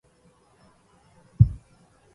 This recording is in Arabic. واعتنٍ بأن تفهم كل مساله حفظتها فذاك وصف الكمله